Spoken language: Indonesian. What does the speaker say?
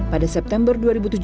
pada september dua ribu tujuh belas